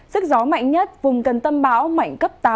sức gió mạnh nhất vùng gần tâm báo mạnh cấp sáu bảy giật cấp chín